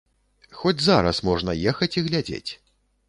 Хоць зараз можна ехаць і глядзець!